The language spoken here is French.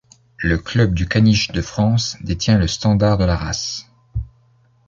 Le Club du caniche de France détient le standard de la race.